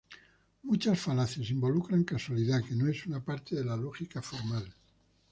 Muchas falacias involucran causalidad, que no es una parte de la lógica formal.